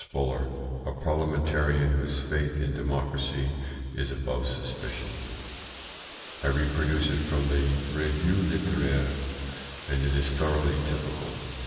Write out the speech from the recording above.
Spuller, a parliamentarian whose faith in democracy is above suspicion. I reproduce it from the Revue litteraire, and it is thoroughly typical.